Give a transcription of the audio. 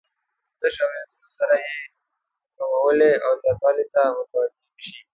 په تش اوریدلو سره یې کموالي او زیاتوالي ته متوجه نه شي.